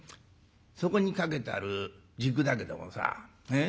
「そこに掛けてある軸だけどもさええ？